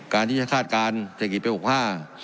การที่จะฆาตการเศรษฐกิจปี๖๕